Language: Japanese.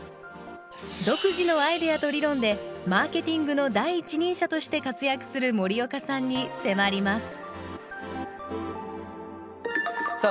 独自のアイデアと理論でマーケティングの第一人者として活躍する森岡さんにせまりますさあ